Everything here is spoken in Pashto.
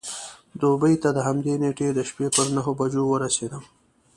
دوبۍ ته د همدې نېټې د شپې پر نهو بجو ورسېدم.